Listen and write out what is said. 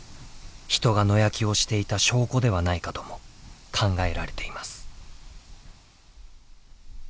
人が野焼きをしていた証拠ではないかとも考えられています。